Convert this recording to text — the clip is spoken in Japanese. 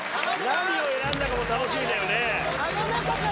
何を選んだかも楽しみだよね。